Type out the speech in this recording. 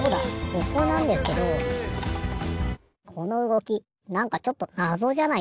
ここなんですけどこのうごきなんかちょっとなぞじゃないですか？